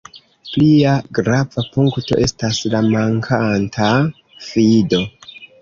Plia grava punkto estas la mankanta fido.